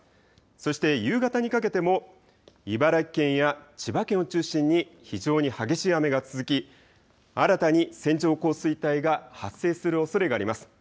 そして夕方にかけても茨城県や千葉県を中心に非常に激しい雨が続き新たに線状降水帯が発生するおそれがあります。